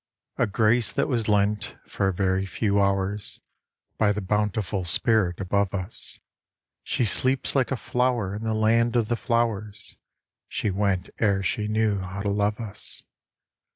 _] A grace that was lent for a very few hours, By the bountiful Spirit above us; She sleeps like a flower in the land of the flowers, She went ere she knew how to love us.